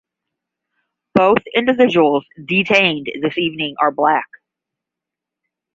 Both individuals detained this evening are black.